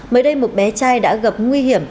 mới đây một bé trai đã gặp nguy hiểm